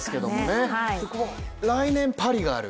毛と来年、パリがある。